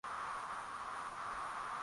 Bwana anagusa nyumba yako